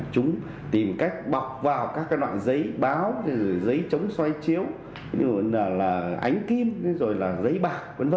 chúng tìm cách bọc vào các cái loại giấy báo giấy chống soi chiếu ánh kim giấy bạc v v